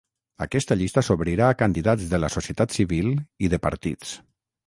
Aquesta llista s’obrirà a candidats de la societat civil i de partits.